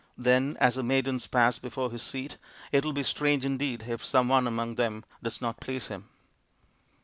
Then as the maidens pass before his seat it will be strange indeed if some one among them does not please him."